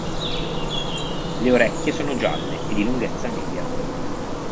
Le orecchie sono gialle e di lunghezza media.